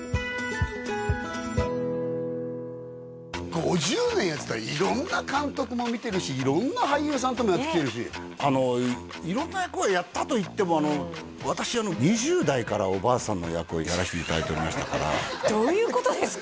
５０年やってたら色んな監督も見てるし色んな俳優さんともやってきてるし色んな役をやったといっても私をやらせていただいておりましたからどういうことですか？